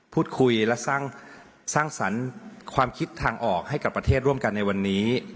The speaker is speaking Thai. พูดคุยและสร้างสรรค์ความคิดทางออกให้กับประเทศร่วมกันในวันนี้